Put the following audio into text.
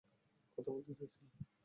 কথা বলতে চাইছিলাম।